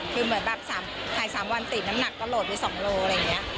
คือเหมือนแบบถ่าย๓วันติดน้ำหนักตลอดไป๒โลอะไรอย่างนี้